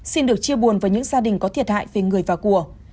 xin được chia buồn với những gia đình có thiệt hại về người và của